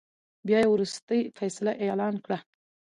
بيا يې ورورستۍ فيصله اعلان کړه .